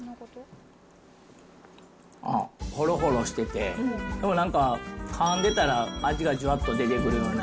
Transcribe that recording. ああ、ほろほろしてて、でもなんか、かんでたら味がじゅわっと出てくるような。